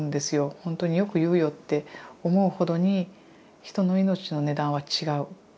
ほんとによく言うよ！って思うほどに人の命の値段は違う。